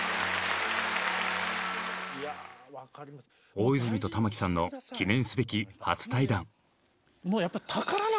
大泉と玉置さんの記念すべき初対談。